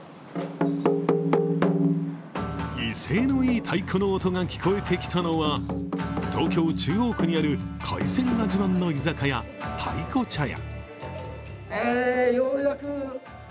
威勢のいい太鼓の音が聞こえてきたのは東京・中央区にある海鮮が自慢の居酒屋、たいこ茶屋。